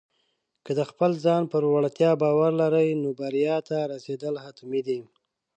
که د خپل ځان پر وړتیا باور لرې، نو بریا ته رسېدل حتمي دي.